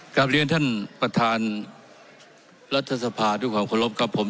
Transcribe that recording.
กับเรียนท่านประธานรัฐศภาทุกของคลมกับผม